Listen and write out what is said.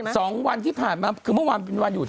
สองวันที่ผ่านมาคือเมื่อวานผมอยู่